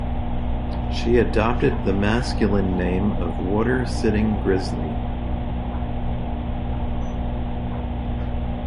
She adopted the masculine name of Water Sitting Grizzly.